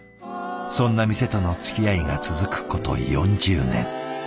そんな店とのつきあいが続くこと４０年。